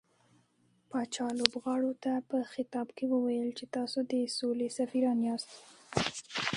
پاچا لوبغاړو ته په خطاب کې وويل چې تاسو د سولې سفيران ياست .